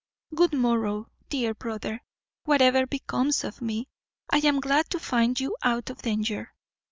Good morrow, dear brother; whatever becomes of me, I am glad to find you out of danger."